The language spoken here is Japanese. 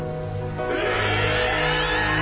え！？